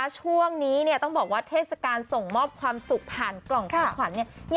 ช่วงนี้ต้องบอกว่าเทศกาลส่งมอบความสุขผ่านกล่องของขวัญเนี่ย